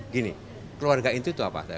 gini keluarga inti itu apa